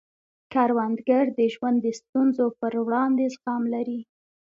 کروندګر د ژوند د ستونزو پر وړاندې زغم لري